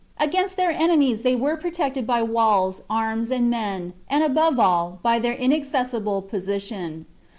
Against their enemies they were protected by walls, arms, and men, and, above all, by their inaccessible position.